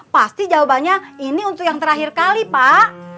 pasti jawabannya ini untuk yang terakhir kali pak